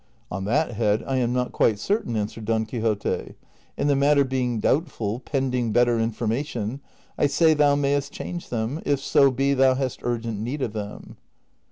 "On that head I am not quite certain," answered Don Quixote, " and the matter being doubtful, pending better infor mation, I say thou mayest change them, if so be thou hast urgent need of them."